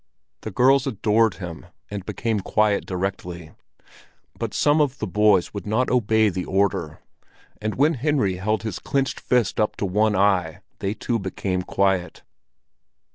The girls adored him, and became quiet directly; but some of the boys would not obey the order; but when Henry held his clenched fist up to one eye, they too became quiet.